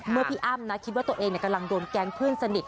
พี่อ้ำนะคิดว่าตัวเองกำลังโดนแก๊งเพื่อนสนิท